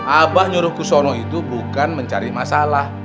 abah nyuruh kusono itu bukan mencari masalah